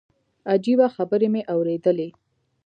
عجيبه خبرې مې اورېدلې.